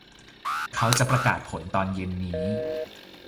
เขาจะประกาศผลตอนเย็นนี้